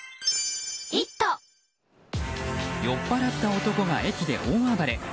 酔っぱらった男が駅で大暴れ。